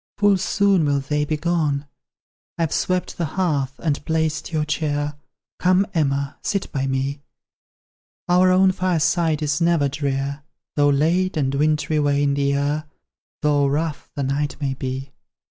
Full soon will they be gone. I've swept the hearth, and placed your chair. Come, Emma, sit by me; Our own fireside is never drear, Though late and wintry wane the year, Though rough the night may be."